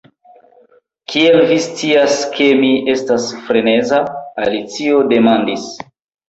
"Kiel vi scias ke mi estas freneza?" Alicio demandis.